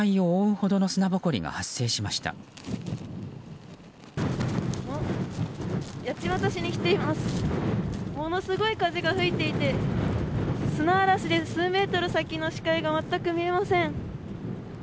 ものすごい風が吹いていて砂嵐で数メートル先の視界が全く見えません。